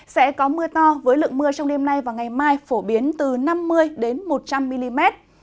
sẽ có mưa to với lượng mưa trong đêm nay và ngày mai phổ biến từ năm mươi một trăm linh mm